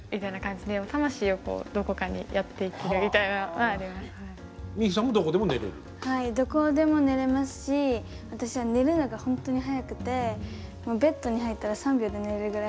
はいどこでも寝れますし私は寝るのが本当に早くてもうベッドに入ったら３秒で寝れるぐらい早いんですよ。